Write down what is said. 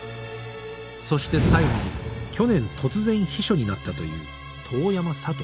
「そして最後に去年突然秘書になったという遠山聡子」